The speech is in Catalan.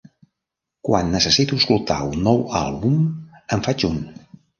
Quan necessito escoltar un nou àlbum, en faig un.